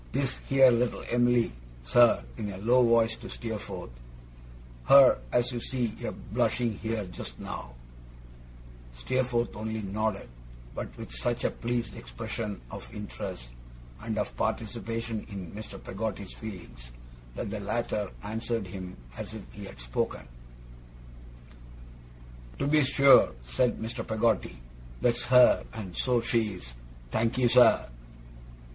This here little Em'ly, sir,' in a low voice to Steerforth, ' her as you see a blushing here just now ' Steerforth only nodded; but with such a pleased expression of interest, and of participation in Mr. Peggotty's feelings, that the latter answered him as if he had spoken. 'To be sure,' said Mr. Peggotty. 'That's her, and so she is. Thankee, sir.